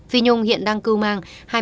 phi nhung hiện đang cư mang